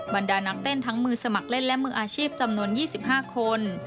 บรรดานักเต้นทั้งมือสมัครเล่นและมืออาชีพจำนวน๒๕คน